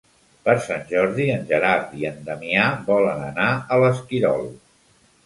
Per Sant Jordi en Gerard i en Damià volen anar a l'Esquirol.